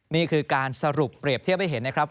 นี่คือการสรุปเปรียบเทียบให้เห็นนะครับ